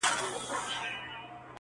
o د نارينه خبره يوه وي!